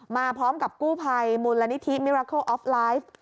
มาพร้อมกับกู้ภัยมูลนิธิมิราโคลออฟไลฟ์